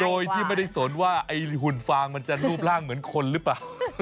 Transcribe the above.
โดยที่ไม่ได้สนว่าไอ้หุ่นฟางมันจะรูปร่างเหมือนคนหรือเปล่า